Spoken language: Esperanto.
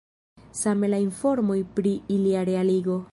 Same la informoj pri ilia realigo.